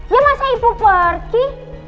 ya masa ibu pergi